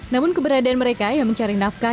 namun keberadaan mereka yang mencari nafkah